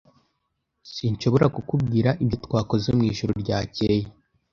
Sinshobora kukubwira ibyo twakoze mwijoro ryakeye.